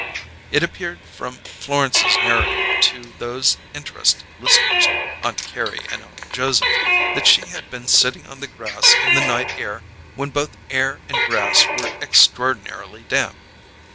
It appeared from Florence's narrative to those interested listeners, Aunt Carrie and Uncle Joseph, that she had been sitting on the grass in the night air when both air and grass were extraordinarily damp.